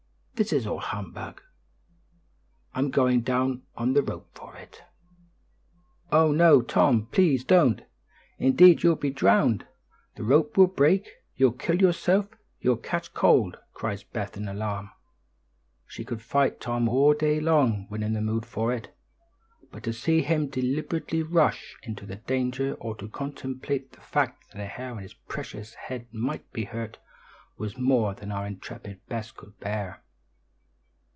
This is all humbug; I'm going down on the rope for it." "Oh, no, Tom, please don't. Indeed, you'll be drowned; the rope will break; you'll kill yourself; you'll catch cold," cried Bess, in alarm. She could fight Tom all day long, when in the mood for it; but to see him deliberately rush into danger, or to contemplate the fact that a hair of his precious head might be hurt, was more than our intrepid Bess could bear.